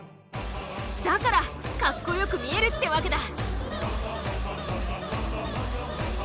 だからカッコよく見えるってわけだ。